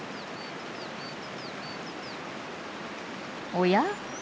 おや？